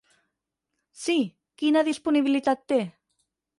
Sí, quina disponibilitat té?